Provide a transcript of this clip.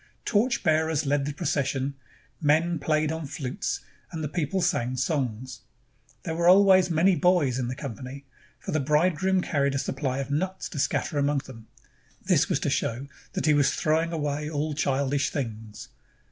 Torch bearers led the procession, men played on flutes, and the people sang songs. There were always many boys in the company, for the bridegroom carried a supply of nuts to scatter among them. This was to show that he was throwing away all childish things.